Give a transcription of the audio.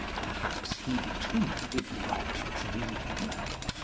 Perhaps he, too, did not dream